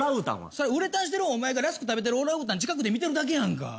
それウレタンしてるお前がラスク食べてるオランウータン近くで見てるだけやんか。